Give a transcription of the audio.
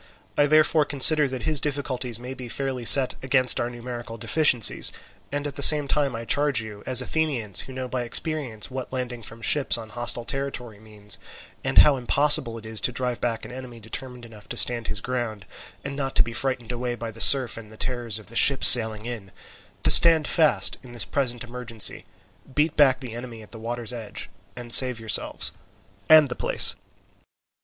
I therefore consider that his difficulties may be fairly set against our numerical deficiencies, and at the same time I charge you, as Athenians who know by experience what landing from ships on a hostile territory means, and how impossible it is to drive back an enemy determined enough to stand his ground and not to be frightened away by the surf and the terrors of the ships sailing in, to stand fast in the present emergency, beat back the enemy at the water's edge, and save yourselves and the place."